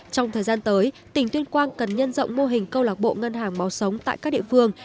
trong thời gian tới tỉnh tuyên quang cần nhân rộng mô hình câu lạc bộ ngân hàng máu sống tại các địa phương